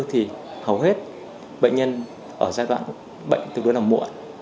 thì hầu hết bệnh nhân ở giai đoạn bệnh tư vấn là muộn